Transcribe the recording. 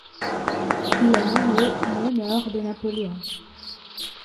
Il est nommé en l'honneur de Napoléon.